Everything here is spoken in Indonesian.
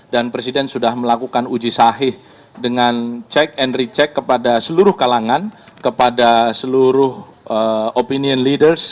dan presiden sudah melakukan uji sahih dengan cek and recheck kepada seluruh kalangan kepada seluruh opinion leaders